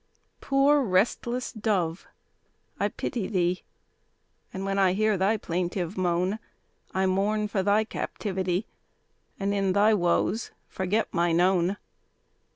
Poor restless dove, I pity thee; And when I hear thy plaintive moan, I mourn for thy captivity, And in thy woes forget mine own.